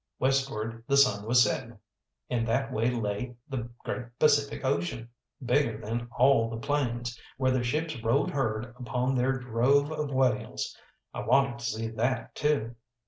Westward the sun was setting, and that way lay the great Pacific Ocean, bigger than all the plains, where the ships rode herd upon their drove of whales I wanted to see that too.